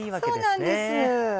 そうなんです。